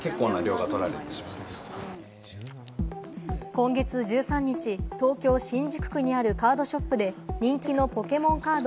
今月１３日、東京・新宿区にあるカードショップで、人気のポケモンカード